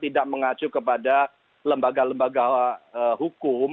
tidak mengacu kepada lembaga lembaga hukum